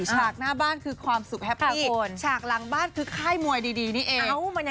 ฉากหน้าบ้านคือความสุขแฮปปี้ฉากหลังบ้านคือค่ายมวยดีนี่เอง